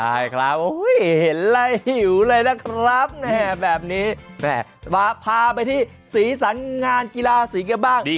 ใช่ครับเห็นไล่หิวเลยนะครับแบบนี้พาไปที่สีสันงานกีฬาสีกันบ้าง